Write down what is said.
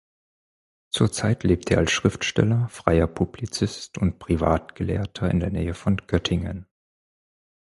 Zurzeit lebt er als Schriftsteller, freier Publizist und Privatgelehrter in der Nähe von Göttingen.